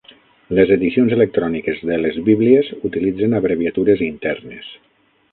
Les edicions electròniques de les Bíblies utilitzen abreviatures internes.